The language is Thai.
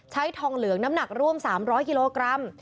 ทองเหลืองน้ำหนักร่วม๓๐๐กิโลกรัม